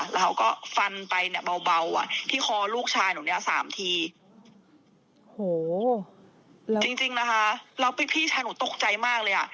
แล้วพี่ชายหนูตกใจมากเลย